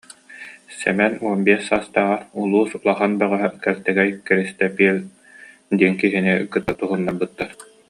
Сэмэн уон биэс саастааҕар улуус улахан бөҕөһө Кэлтэгэй Киристиэппэл диэн киһини кытта туһуннарбыттар